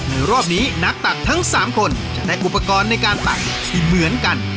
รอบนี้นักตักทั้ง๓คนจะได้อุปกรณ์ในการตักที่เหมือนกัน